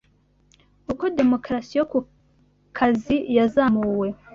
uko demokarasi yo ku kazi yazamuwe